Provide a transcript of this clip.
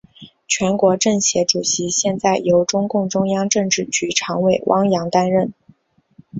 全国政协主席现在由中共中央政治局常委汪洋担任。